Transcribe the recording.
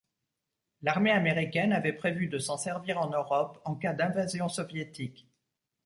L'armée américaine avait prévu de s'en servir en Europe en cas d'invasion soviétique.